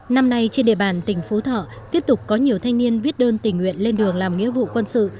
năm nay trên địa bàn tỉnh phú thọ tiếp tục có nhiều thanh niên viết đơn tình nguyện lên đường làm nghĩa vụ quân sự